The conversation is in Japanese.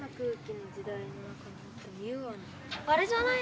あれじゃない？